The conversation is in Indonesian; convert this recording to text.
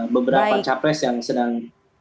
beberapa capres yang sedang